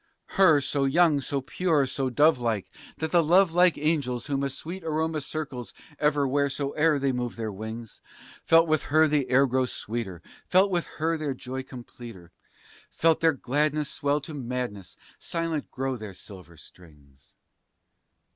Her, so young, so pure, so dove like, that the love like angels whom a Sweet aroma circles ever wheresoe'er they move their wings, Felt with her the air grow sweeter, felt with her their joy completer, Felt their gladness swell to madness, silent grow their silver strings.